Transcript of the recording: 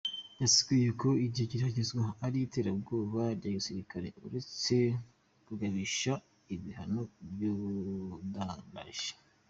Yasiguye ko iryo geragezwa ari iterabwoba rya gisirikare uretse kugabisha ibihano vy'ubudandaji.